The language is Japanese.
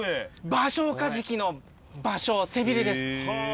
バショウカジキのバショウ、背びれです。